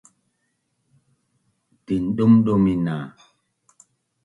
Tindumdumin na